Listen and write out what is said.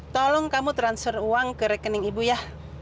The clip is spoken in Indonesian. tolong kamu transfer uang ke rekening ibu ya